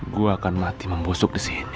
gue akan mati membusuk di sini